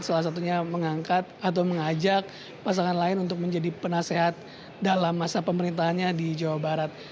salah satunya mengangkat atau mengajak pasangan lain untuk menjadi penasehat dalam masa pemerintahnya di jawa barat